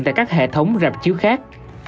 tại các hệ thống rạp chiếu khác